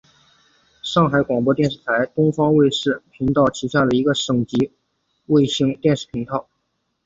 上海广播电视台东方卫视频道旗下的一个省级卫星电视频道。